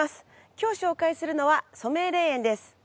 今日紹介するのは染井霊園です。